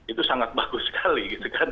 itu sangat bagus sekali